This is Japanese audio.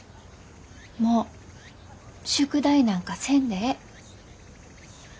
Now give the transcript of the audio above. もう宿題なんかせんでええ。